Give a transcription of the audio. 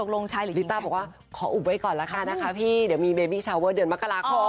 ลิต้าบอกว่าขออุบไว้ก่อนละกันนะคะพี่เดี๋ยวมีเบบี้ชาวเวอร์เดือนมกราคม